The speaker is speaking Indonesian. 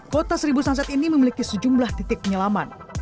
kota seribu sunset ini memiliki sejumlah titik penyelaman